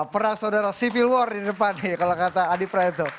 perang saudara civil war di depan nih kalau kata adi praetno